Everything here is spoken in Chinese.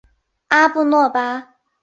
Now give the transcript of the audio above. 阿布诺巴。